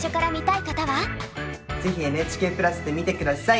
ぜひＮＨＫプラスで見て下さい。